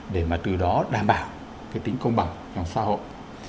để từ đó đảm bảo tính công bằng trong xã hội